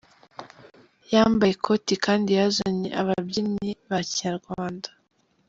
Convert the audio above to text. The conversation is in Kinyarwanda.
Yambaye ikoti kandi yazanye ababyinnyi ba kinyarwanda.